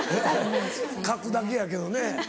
書くだけやけどね。